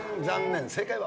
残念。